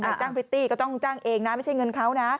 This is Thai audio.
จ้างพริตตี้ก็ต้องจ้างเองนะไม่ใช่เงินเขานะ